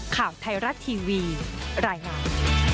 ข่าวไทรัตทีวีรายละเอียด